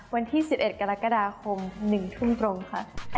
วันที่๑๑กรกฎาคม๑ทุ่มตรงค่ะ